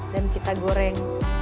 dan kita goreng